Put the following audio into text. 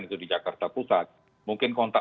itu di jakarta pusat mungkin kontak